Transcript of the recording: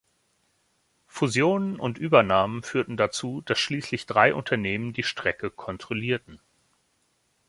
Fusionen und Übernahmen führten dazu, dass schließlich drei Unternehmen die Strecke kontrollierten.